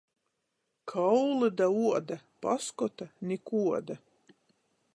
Kauli da uoda – paskota nikuoda.